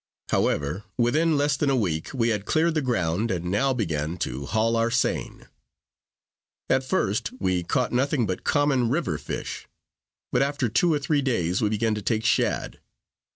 However, within less than a week, we had cleared the ground, and now began to haul our seine. At first, we caught nothing but common river fish; but after two or three days, we began to take shad.